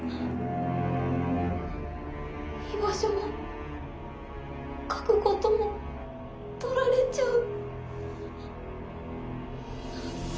居場所も書く事もとられちゃう。